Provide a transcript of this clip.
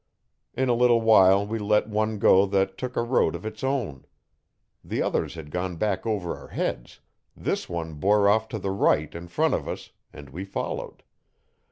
In a little while we let one go that took a road of its own. The others had gone back over our heads; this one bore off to the right in front of us, and we followed.